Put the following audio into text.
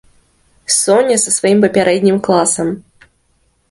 Соня са сваім папярэднім класам.